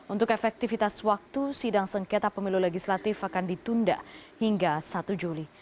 untuk efektivitas waktu sidang sengketa pemilu legislatif akan ditunda hingga satu juli